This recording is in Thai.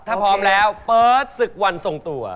ถ้าพร้อมแล้วเปิดศึกวันทรงตัว